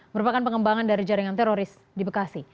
merupakan pengembangan dari jaringan teroris di bekasi